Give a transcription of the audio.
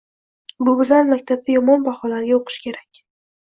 Bu bilan maktabda yomon baholarga o’qish kerak